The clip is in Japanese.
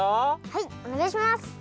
はいおねがいします。